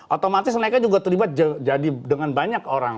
otomatis mereka juga terlibat jadi dengan banyak orang